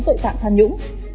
tội phạm tham nhũng